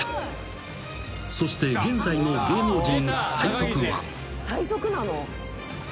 ［そして現在の芸能人最速は］